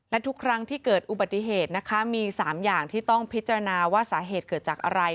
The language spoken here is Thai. และทุกครั้งที่เกิดอุบัติเหตุนะคะมี๓อย่างที่ต้องพิจารณาว่าสาเหตุเกิดจากอะไร